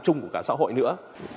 chung của cả xã hội nữa